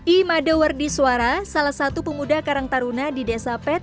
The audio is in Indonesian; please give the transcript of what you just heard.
i madowar diswara salah satu pemuda karang taruna di desa pet